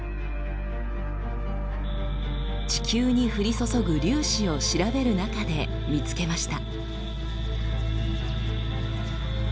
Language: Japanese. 地球に降り注ぐ粒子を調べる中で見つけました。